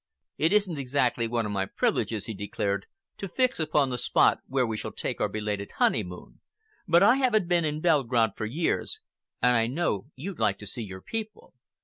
"It isn't exactly one of my privileges," he declared, "to fix upon the spot where we shall take our belated honeymoon, but I haven't been in Belgrade for years, and I know you'd like to see your people."